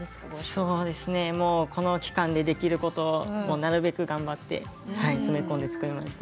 そうですねもうこの期間でできることをなるべく頑張って詰め込んで作りました。